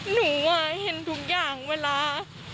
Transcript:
หนูเห็นทุกอย่างเวลา